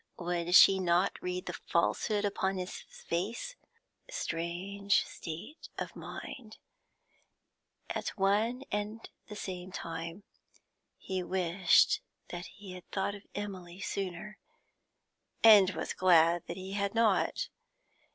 Would she not read the falsehood upon his face? Strange state of mind; at one and the same time he wished that he had thought of Emily sooner, and was glad that he had not.